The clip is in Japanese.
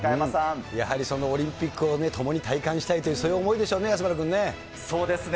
やはりオリンピックをともに体感したいという、そういう思いでしょうね、安村君ね。